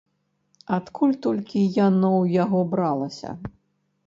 Адкуль толькі яно ў яго бралася.